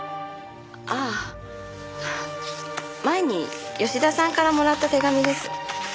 ああ前に吉田さんからもらった手紙です。